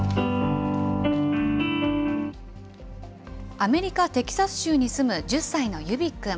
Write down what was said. アメリカ・テキサス州に住む１０歳のユビ君。